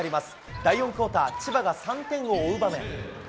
第４クオーター、千葉が３点を追う場面。